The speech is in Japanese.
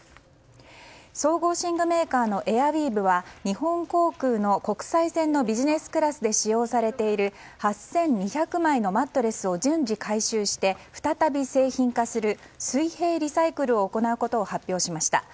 総合寝具メーカーのエアウィーヴは日本航空の国際線のビジネスクラスで使用されている８２００枚のマットレスを順次回収して再び製品化する水平リサイクルを行うことを発表しました。